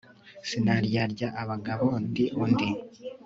Sinaryarya abagabo ndi undi